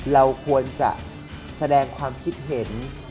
เราควรจะแสดงความคิดเห็น